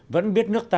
vẫn biết nước ta này